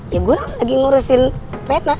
ya gue lagi ngurusin penat